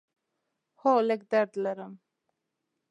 هو، لږ درد لرم